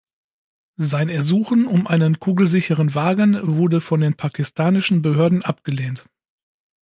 Sein Ersuchen um einen kugelsicheren Wagen wurde von den pakistanischen Behörden abgelehnt.